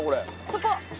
そこ！